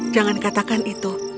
jangan katakan itu